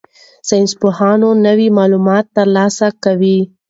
ساینسپوهان نوي معلومات ترلاسه کوي.